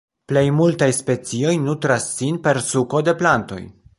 Plej multaj specioj nutras sin per suko de plantoj.